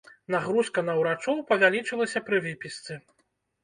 Нагрузка на ўрачоў павялічылася пры выпісцы.